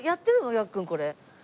ヤッくんこれ。